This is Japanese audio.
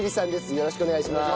よろしくお願いします。